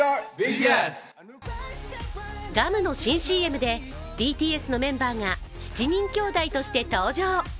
ガムの新ＣＭでＢＴＳのメンバーが７人兄弟として登場。